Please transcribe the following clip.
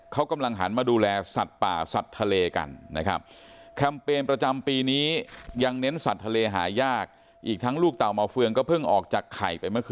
เขากำลังหันมาดูแลสัตว์ป่าสัตว์ทะเลกันนะครับ